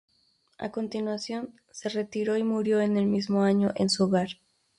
A continuación, se retiró y murió en el mismo año en su hogar.